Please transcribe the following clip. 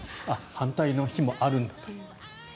反対の日もあるんだという。